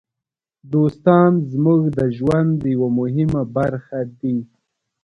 دوستان زموږ د ژوند یوه مهمه برخه دي.